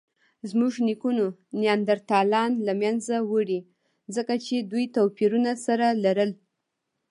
زموږ نیکونو نیاندرتالان له منځه وړي؛ ځکه چې دوی توپیرونه سره لرل.